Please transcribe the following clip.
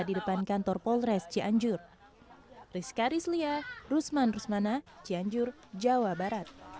di depan kantor polres cianjur